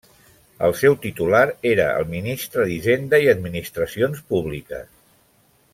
El seu titular era el ministre d'Hisenda i Administracions Públiques.